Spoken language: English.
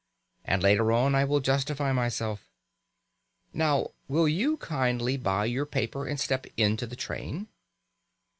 And later on I will justify myself. Now will you kindly buy your paper and step into the train?